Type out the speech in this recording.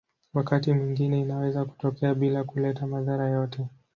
Wakati mwingine inaweza kutokea bila kuleta madhara yoyote.